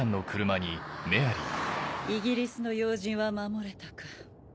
イギリスの要人は守れたか。